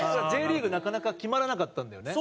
Ｊリーグなかなか決まらなかったんだよね。